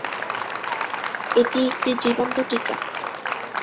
এটি একটি জীবন্ত টিকা।